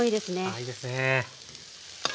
あいいですね。